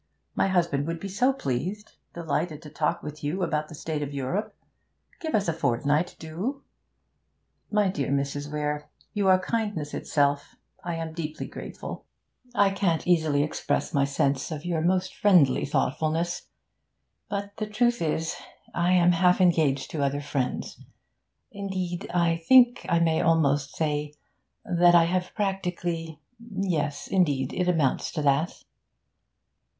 My husband would be so pleased delighted to talk with you about the state of Europe. Give us a fortnight do!' 'My dear Mrs. Weare, you are kindness itself! I am deeply grateful. I can't easily express my sense of your most friendly thoughtfulness. But, the truth is, I am half engaged to other friends. Indeed, I think I may almost say that I have practically...yes, indeed, it amounts to that.'